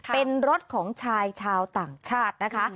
เป็นรถของชายชาวต่างชาตินะคะ